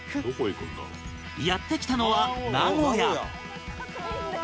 やって来たのは名古屋